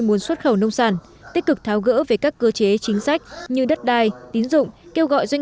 muốn xuất khẩu nông sản tích cực tháo gỡ về các cơ chế chính sách như đất đai tín dụng kêu gọi doanh